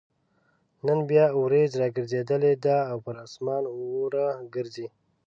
نن بيا اوريځ راګرځېدلې ده او پر اسمان اوره ګرځي